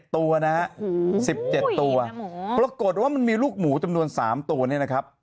ตัวนะฮะ๑๗ตัวปรากฏว่ามันมีลูกหมูจำนวน๓ตัวเนี่ยนะครับ